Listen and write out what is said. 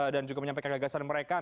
dan juga menyampaikan gagasan mereka